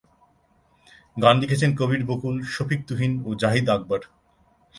গান লিখেছেন কবির বকুল, শফিক তুহিন ও জাহিদ আকবর।